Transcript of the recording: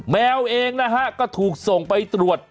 แมวเองนะฮะก็ถูกส่งไปตรวจ